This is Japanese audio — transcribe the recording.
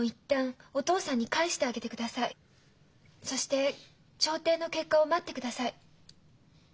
そして調停の結果を待ってください。